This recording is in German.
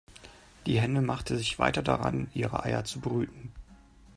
Die Henne machte sich weiter daran, ihre Eier zu brüten.